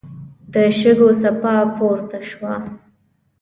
د شګو څپه پورته شوه.